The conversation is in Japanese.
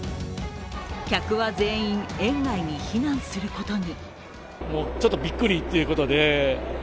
客は全員園外に避難することに。